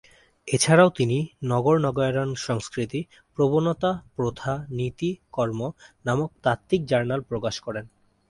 এছাড়াও তিনি "নগর:নগরায়ণ সংস্কৃতি, প্রবণতা, প্রথা, নীতি, কর্ম" নামক তাত্ত্বিক জার্নাল প্রকাশ করেন।